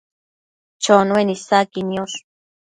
Chonuen isaqui niosh